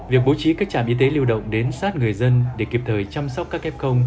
việc bố trí các trạm y tế lưu động đến sát người dân để kịp thời chăm sóc các kép công